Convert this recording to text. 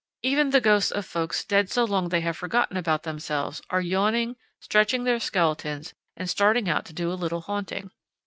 Even the ghosts of folks dead so long they have forgotten about themselves are yawning, stretching their skeletons, and starting out to do a little haunting.